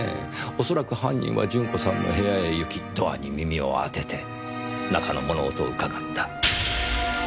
恐らく犯人は順子さんの部屋へ行きドアに耳を当てて中の物音をうかがった。